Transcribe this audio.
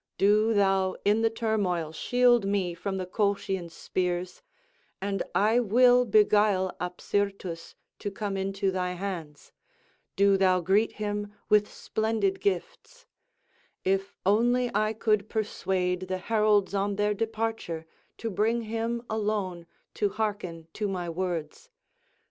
Do thou in the turmoil shield me from the Colchians' spears; and I will beguile Apsyrtus to come into thy hands—do thou greet him with splendid gifts—if only I could persuade the heralds on their departure to bring him alone to hearken to my words.